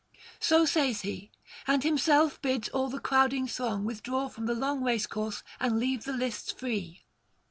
So says he, and himself bids all the crowding throng withdraw from the long racecourse and leave the lists free.